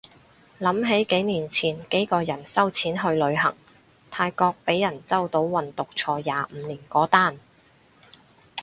諗起幾年前幾個人收錢去旅行，泰國被人周到運毒坐廿五年嗰單